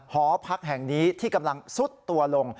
หอพักแห่งนี้ที่กำลังซุดตัวลง